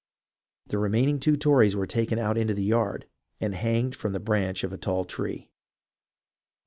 The remaining two Tories were taken out into the yard and hanged from the branch of a tall tree.